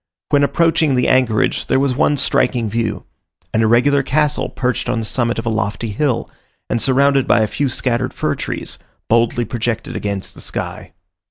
When approaching the anchorage there was one striking view: an irregular castle perched on the summit of a lofty hill, and surrounded by a few scattered fir trees, boldly projected against the sky.